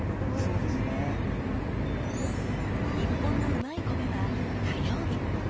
「ニッポンのうまい米」は火曜日。